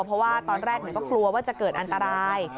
เพราะว่าตอนแรกก็กลัวว่าจะเกิดอันตราย